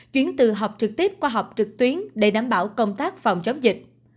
chuyển từ học trực tiếp qua học trực tuyến để đảm bảo công tác phòng chống dịch